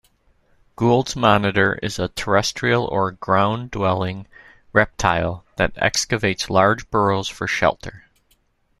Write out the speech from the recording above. Gould's monitor is a terrestrial or "ground-dwelling" reptile that excavates large burrows for shelter.